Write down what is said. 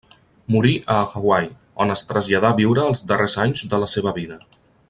Morí a Hawaii, on es traslladà a viure els darrers anys de la seva vida.